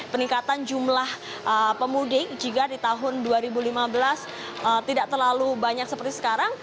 peningkatan jumlah pemudik jika di tahun dua ribu lima belas tidak terlalu banyak seperti sekarang